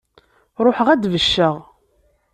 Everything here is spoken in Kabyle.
Ṛuḥeɣ ad d-becceɣ.